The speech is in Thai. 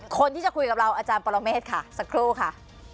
คนที่จะคุยกับเราอาจารย์ปรเมฆค่ะสักครู่ค่ะ